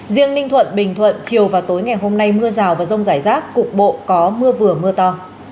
riêng ninh thuận bình thuận chiều và tối ngày hôm nay mưa rào và rông rải rác cục bộ có mưa vừa mưa to